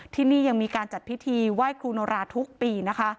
ที่นี่ยังมีการจัดพิธีไหว้ครูโนราทุกปีนะคะ